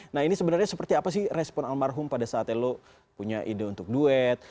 nah ini sebenarnya seperti apa sih respon almarhum pada saat elo punya ide untuk duet